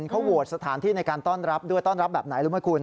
เขาโหวตสถานที่ในการต้อนรับด้วยต้อนรับแบบไหนรู้ไหมคุณ